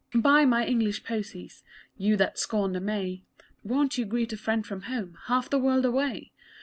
_ Buy my English posies! You that scorn the May, Won't you greet a friend from home Half the world away?